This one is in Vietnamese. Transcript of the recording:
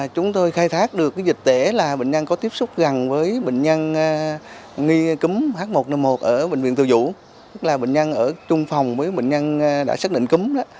chúng tôi khai thác được dịch tễ là bệnh nhân có tiếp xúc gần với bệnh nhân nghi cúm h một n một ở bệnh viện từ dũ tức là bệnh nhân ở chung phòng với bệnh nhân đã xác định cúm đó